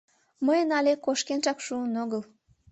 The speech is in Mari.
Мыйын але кошкенжак шуын огыл.